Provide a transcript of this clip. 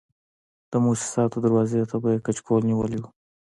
د موسساتو دروازې ته به یې کچکول نیولی و.